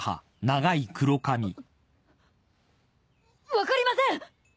分かりません！